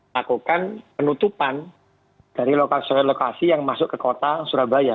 lakukan penutupan dari lokasi lokasi yang masuk ke kota surabaya